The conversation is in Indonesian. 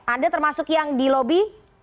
anda termasuk yang di lobi